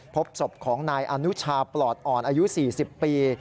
พบศพของนายอนุชาปลอดอ่อนอายุ๔๐ปี